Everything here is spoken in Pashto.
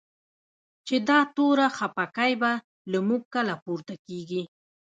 چی دا توره خپکی به؛ له موږ کله پورته کیږی